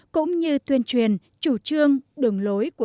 cũng như tuyên truyền chủ trương đường lối